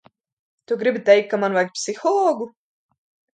Tu gribi teikt, ka man vajag psihologu?